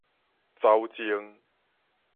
走精